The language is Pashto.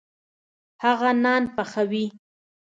هغه نان پخوي.